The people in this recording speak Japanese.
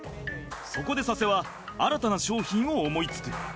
そこで佐瀬は新たな商品を思いつく。